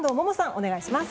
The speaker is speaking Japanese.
お願いします。